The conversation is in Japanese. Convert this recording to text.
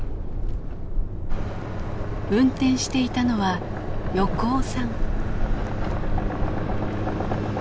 運転していたのは横尾さん。